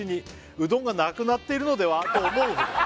「うどんがなくなっているのでは？と思う」